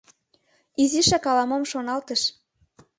Изишак ала-мом шоналтыш.